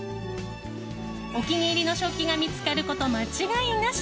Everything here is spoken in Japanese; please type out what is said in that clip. お気に入りの食器が見つかること間違いなし。